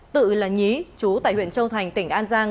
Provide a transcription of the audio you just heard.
tự là nhí chú tại huyện châu thành tỉnh an giang